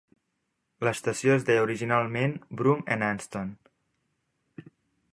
L'estació es deia originalment "Broom and Aston".